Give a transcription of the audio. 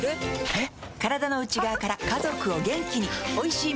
えっ？